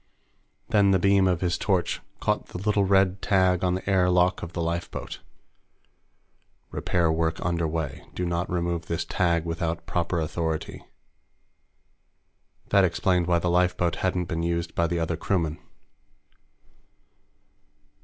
Then the beam of his torch caught the little red tag on the air lock of the lifeboat. Repair Work Under Way Do Not Remove This Tag Without Proper Authority. That explained why the lifeboat hadn't been used by the other crewmen.